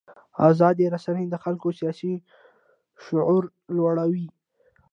ازادې رسنۍ د خلکو سیاسي شعور لوړوي.